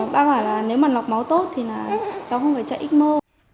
ba bảo là nếu mà lọc máu tốt thì là cháu không phải chạy ít mơ